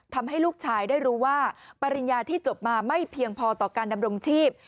ทำให้ลูกชายได้รู้ว่าปริญญาที่จบมาไม่เพียงพอต่อการดำรงชีพ